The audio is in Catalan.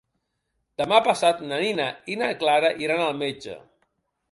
Demà passat na Nina i na Clara iran al metge.